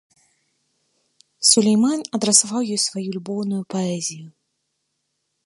Сулейман адрасаваў ёй сваю любоўную паэзію.